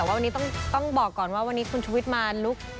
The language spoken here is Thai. วันนี้ต้องบอกก่อนว่าวันนี้คุณชุวิตมาลุก